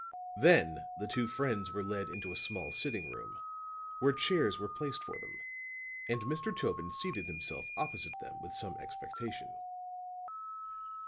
Then the two friends were led into a small sitting room, where chairs were placed for them, and Mr. Tobin seated himself opposite them with some expectation.